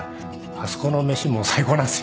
あそこの飯もう最高なんすよ。